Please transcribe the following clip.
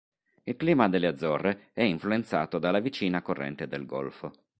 Il clima delle Azzorre è influenzato dalla vicina corrente del Golfo.